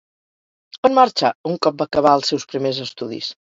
On marxa un cop va acabar els seus primers estudis?